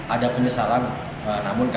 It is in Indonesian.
ada penyesalan namun katanya dia merasa puasnya